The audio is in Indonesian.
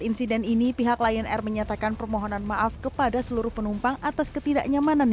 insiden ini pihak lion air menyatakan permohonan maaf kepada seluruh penumpang atas ketidaknyamanan